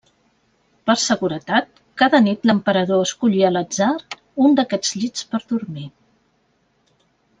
Per seguretat, cada nit l'Emperador escollia a l'atzar un d'aquests llits per dormir.